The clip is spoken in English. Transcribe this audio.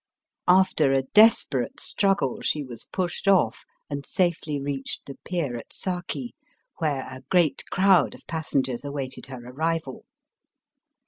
After a desperate struggle she was pushed off and safely reached the pier at Saki, where a great crowd of passengers awaited her arrival.